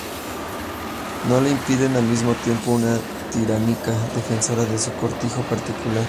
no le impiden al mismo tiempo, una tiránica defensora de su cortijo particular